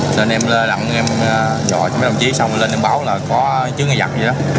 nên em lên lặng em dọa cho mấy đồng chí xong lên em báo là có chứa ngay giặt vậy đó